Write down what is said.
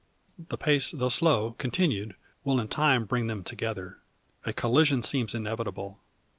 The pace though slow, continued, will in time bring them together. A collision seems inevitable.